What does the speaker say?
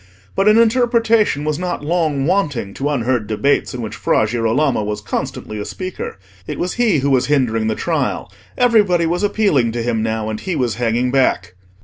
But an interpretation was not long wanting to unheard debates in which Fra Girolamo was constantly a speaker: it was he who was hindering the trial; everybody was appealing to him now, and he was hanging back.